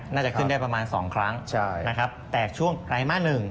น่าจะขึ้นได้ประมาณสองครั้งใช่นะครับแต่ช่วงใกล้มาหนึ่ง